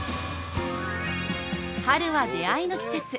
春は出会いの季節。